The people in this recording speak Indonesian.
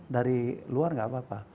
dari luar nggak apa apa